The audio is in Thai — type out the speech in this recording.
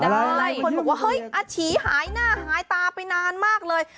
คนบอกว่าอาชีหายหน้าหายตาไปนานมากเลย